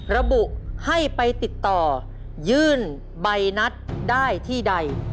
ระบุให้ไปติดต่อยื่นใบนัดได้ที่ใด